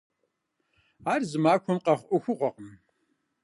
Ар зы махуэм къэхъу Ӏуэхугъуэкъым.